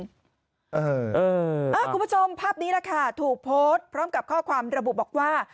คุณผู้ชมภาพนี้แหละค่ะถูกโพสต์พร้อมกับข้อความระบุบอกว่า